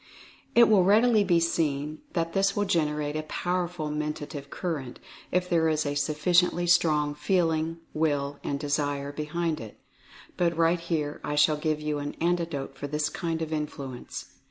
It will read ily be seen that this will generate a powerful Menta tive Current, if there is a sufficiently strong Feeling — Will and Desire — behind it. But right here I shall give you an Antidote for this kind of Influence.